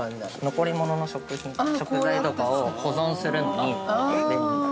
◆残り物の食材とかを保存するのに便利な。